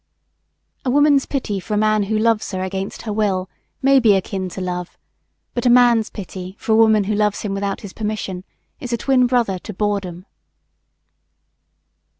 A woman's pity for a man who loves her against her will may be akin to love; but a man's pity for a woman who loves him without his permission is a twin brother to boredom.